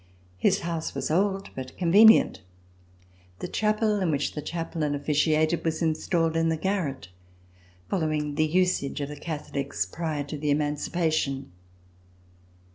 His house was old but convenient. The chapel in which the chaplain of ficiated was installed in the garret, following the usage of the Catholics prior to the Emancipation.